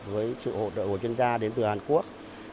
với sự hỗ trợ của chuyên gia đến từ hàn quốc